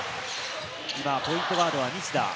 今、ポイントガードは西田。